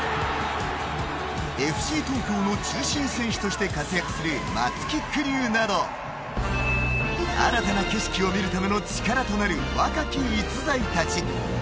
ＦＣ東京の中心選手として活躍する松木玖生など新たな景色を見るための力となる若き逸材たち。